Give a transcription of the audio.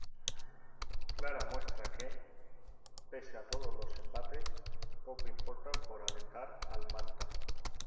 Clara muestra que, pese a todo los embates, poco importan por alentar al Manta.